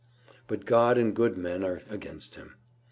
But God and good men are against him.